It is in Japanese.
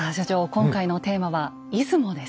今回のテーマは「出雲」です。